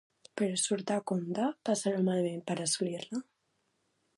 Però surt a compte passar-ho malament per a assolir-la?